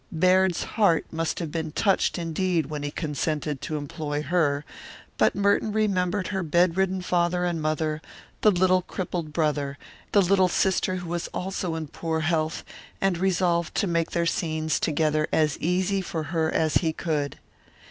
Baird's heart must have been touched indeed when he consented to employ her, but Merton remembered her bedridden father and mother, the little crippled brother, the little sister who was also in poor health, and resolved to make their scenes together as easy for her as he could.